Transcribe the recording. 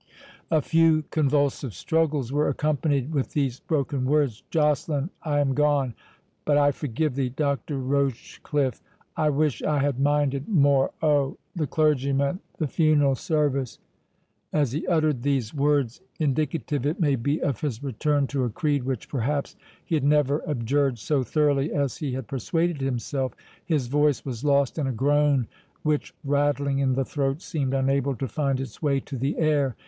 A few convulsive struggles were accompanied with these broken words,— "Joceline—I am gone—but I forgive thee—Doctor Rochecliffe—I wish I had minded more—Oh!—the clergyman—the funeral service"—As he uttered these words, indicative, it may be, of his return to a creed, which perhaps he had never abjured so thoroughly as he had persuaded himself, his voice was lost in a groan, which, rattling in the throat, seemed unable to find its way to the air.